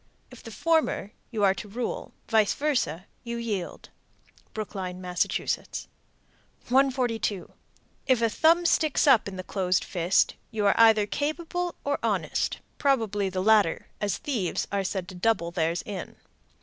If the former, you are to rule; vice versa, you yield. Brookline, Mass. 142. If the thumb sticks up in the closed fist, you are either capable or honest, probably the latter, as thieves are said to double theirs in.